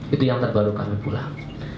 itu yang terbaru kami pulang